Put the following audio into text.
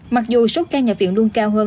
mặc dù sốt ca nhà viện luôn cao hơn